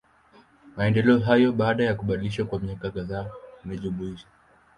Maendeleo hayo, baada ya kubadilishwa kwa miaka kadhaa inajumuisha.